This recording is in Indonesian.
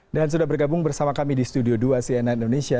dan sudah bergabung bersama kami di studio dua cnn indonesia